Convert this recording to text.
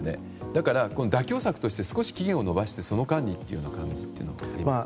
だから、妥協策として少し期限を延ばしてその間にというのはどうですか？